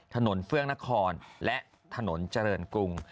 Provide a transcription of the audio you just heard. เฟื่องนครและถนนเจริญกรุง